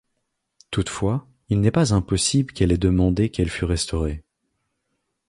Toutefois, il n'est pas impossible qu'elle ait demandé qu'elle fût restaurée.